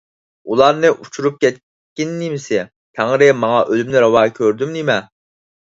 ئۇلارنى ئۇچۇرۇپ كەتكىنى نېمىسى؟ تەڭرى ماڭا ئۆلۈمنى راۋا كۆردىمۇ نېمە؟